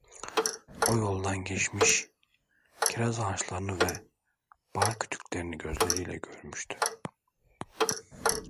O yoldan geçmiş, kiraz ağaçlarını ve bağ kütüklerini gözleriyle görmüştü…